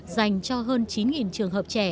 dành cho hơn chín trường hợp trẻ